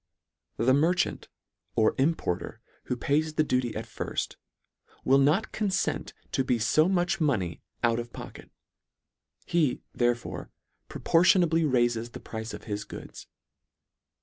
The merchant, or importer who pays the duty at firft, will not confent to be Co much money out of pocket. He, therefore, pro portionably raifes the price of his goods.